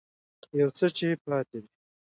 يو څه چې پاتې دي